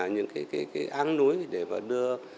những cái áng núi để mà đưa